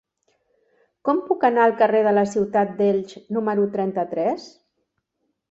Com puc anar al carrer de la Ciutat d'Elx número trenta-tres?